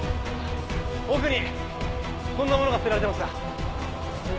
奥にこんなものが捨てられていました。